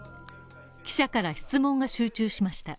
記者から質問が集中しました。